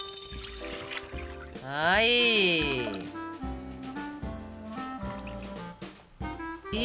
はい！